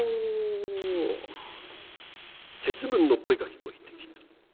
節分の声が聞こえてきた。